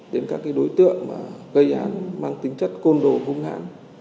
đến các cái đối tượng mà gây ảnh mang tính chất côn đồ hung hãn